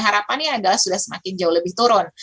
harapannya adalah sudah semakin jauh lebih turun